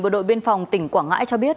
bộ đội biên phòng tỉnh quảng ngãi cho biết